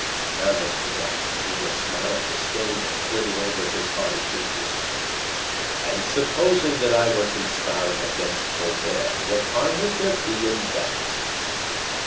Aramis could not conceal a smile of disdain that flitted over his haughty features. "And supposing that I were conspiring against Colbert, what harm would there be in _that?